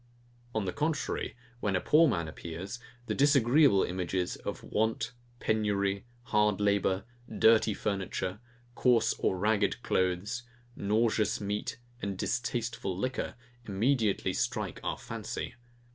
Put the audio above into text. On the contrary, when a poor man appears, the disagreeable images of want, penury, hard labour, dirty furniture, coarse or ragged clothes, nauseous meat and distasteful liquor, immediately strike our fancy.